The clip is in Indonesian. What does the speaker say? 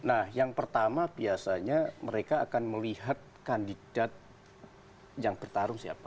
nah yang pertama biasanya mereka akan melihat kandidat yang bertarung siapa